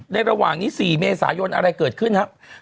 ระหว่างนี้๔เมษายนอะไรเกิดขึ้นครับ